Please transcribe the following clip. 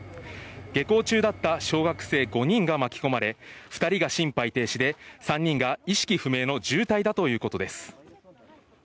下校中だった小学生５人が巻き込まれ、２人が心肺停止で、３人が意識不明の重体だということです。